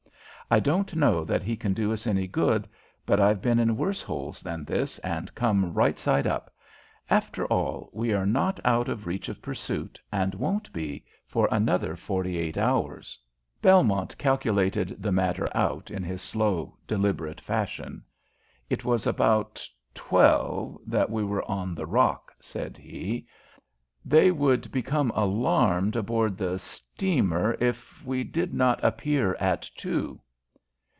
I don't know that he can do us any good, but I've been in worse holes than this, and come out right side up. After all, we are not out of reach of pursuit, and won't be for another forty eight hours." Belmont calculated the matter out in his slow, deliberate fashion. "It was about twelve that we were on the rock," said he. "They would become alarmed aboard the steamer if we did not appear at two."